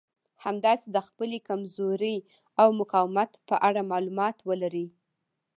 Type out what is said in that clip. همداسې د خپلې کمزورۍ او مقاومت په اړه مالومات ولرئ.